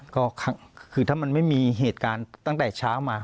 ก็คือถ้ามันไม่มีเหตุการณ์ตั้งแต่เช้ามา